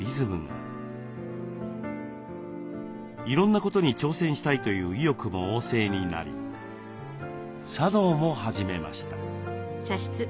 いろんなことに挑戦したいという意欲も旺盛になり茶道も始めました。